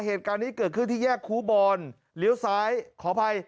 เหตุการณ์นี้เกิดขึ้นที่แยกครูบอลเลี้ยวซ้ายขออภัย